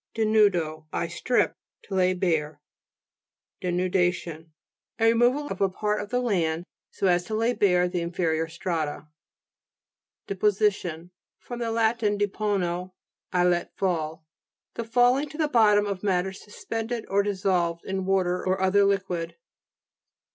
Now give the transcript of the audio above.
denudo, I strip. To lay bare. DENUDA'TION A removal of a part GLOSSARY, GEOLOGY. 219 of the land, so as to lay bare the inferior strata. DEPOSITION fr. lat. depono, I let fall. The falling to the bottom of matters suspended or dissolved in water or other liquid.